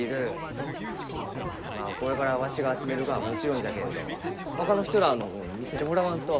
まあこれからわしが集めるがはもちろんじゃけんどほかの人らあのも見せてもらわんと。